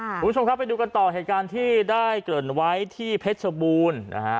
คุณผู้ชมครับไปดูกันต่อเหตุการณ์ที่ได้เกริ่นไว้ที่เพชรบูรณ์นะฮะ